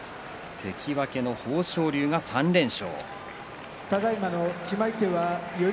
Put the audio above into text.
関脇の豊昇龍が３連勝。